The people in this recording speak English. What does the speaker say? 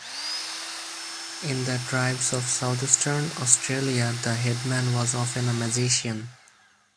In the tribes of Southeastern Australia the headman was often a magician.